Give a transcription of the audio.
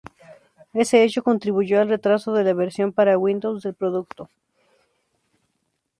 Ese hecho contribuyó al retraso de la versión para Windows del producto.